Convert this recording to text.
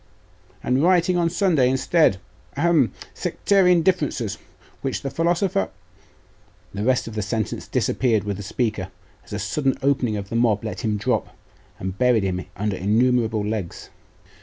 'And rioting on Sunday instead. Ahem! sectarian differences, which the philosopher The rest of the sentence disappeared with the speaker, as a sudden opening of the mob let him drop, and buried him under innumerable legs.